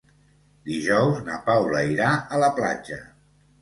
Dijous na Paula irà a la platja.